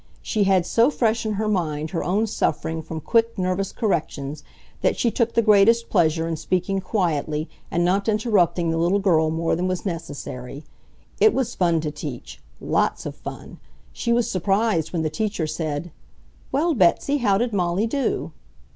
She had so fresh in her mind her own suffering from quick, nervous corrections that she took the greatest pleasure in speaking quietly and not interrupting the little girl more than was necessary. It was fun to teach, LOTS of fun! She was surprised when the teacher said, "Well, Betsy, how did Molly do?"